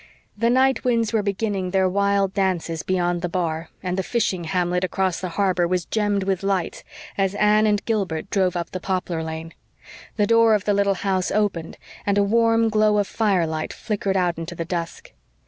The night winds were beginning their wild dances beyond the bar and the fishing hamlet across the harbor was gemmed with lights as Anne and Gilbert drove up the poplar lane. The door of the little house opened, and a warm glow of firelight flickered out into the dusk.